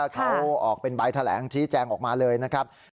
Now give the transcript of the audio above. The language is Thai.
เขาออกเป็นใบแถลงชี้แจงออกมาเลยนะครับ